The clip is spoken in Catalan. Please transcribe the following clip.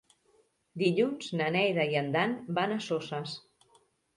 Dilluns na Neida i en Dan van a Soses.